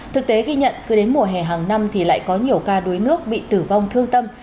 thực tế ghi nhận cứ đến mùa hè hàng năm thì lại có nhiều ca đuối nước bị tử vong thương tâm